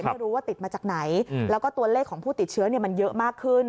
ไม่รู้ว่าติดมาจากไหนแล้วก็ตัวเลขของผู้ติดเชื้อมันเยอะมากขึ้น